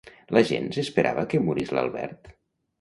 La gent s'esperava que morís l'Albert?